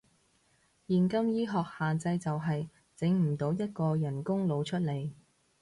現今醫學限制就係，整唔到一個人工腦出嚟